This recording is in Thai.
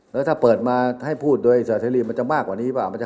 แล้วถ้าเปิดมาให้พูดโดยสาเสรีมันจะมากกว่านี้หรือเปล่า